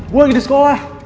gue lagi di sekolah